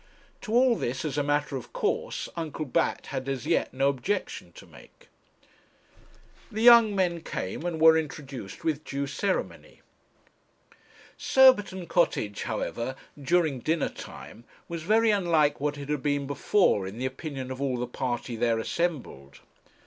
To all this, as a matter of course, Uncle Bat had as yet no objection to make. The young men came, and were introduced with due ceremony. Surbiton Cottage, however, during dinnertime, was very unlike what it had been before, in the opinion of all the party there assembled.